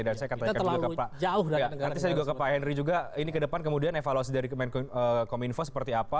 dan saya katakan juga ke pak henry juga ini ke depan kemudian evaluasi dari kominfo seperti apa